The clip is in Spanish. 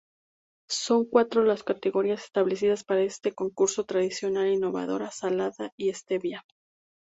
Son cuatro las categorías establecidas para este concurso: tradicional, innovadora, salada y stevia.